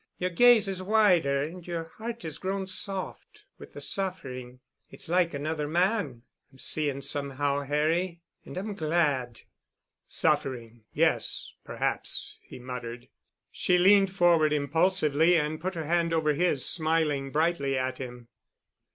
Your gaze is wider and your heart has grown soft, with the suffering. It's like another man, I'm seeing somehow, Harry, and I'm glad." "Suffering—yes, perhaps," he muttered. She leaned forward impulsively and put her hand over his, smiling brightly at him.